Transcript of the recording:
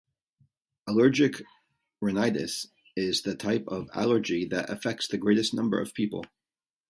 Allergic rhinitis is the type of allergy that affects the greatest number of people.